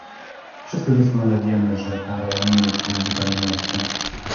Wszyscy doskonale wiemy, że ta rola nie jest jej zupełnie obca